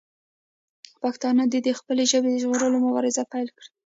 پښتانه دې د خپلې ژبې د ژغورلو مبارزه پیل کړي.